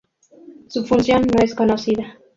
Su función no es conocida.